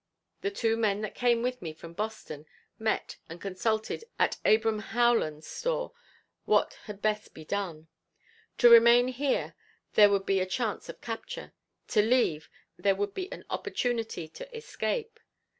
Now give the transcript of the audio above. The two men that came with me from Boston, met and consulted at Abram Howland's store what had best be done. To remain here, there would be a chance of capture, to leave, there would be an opportunity to escape.